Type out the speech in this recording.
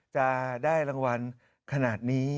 จะได้รางวัลขนาดนี้